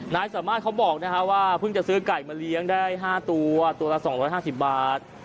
นายสามารถเขาบอกว่าเพิ่งจะซื้อไก่มาเลี้ยงได้๕ตัวตัวละ๒๕๐บาท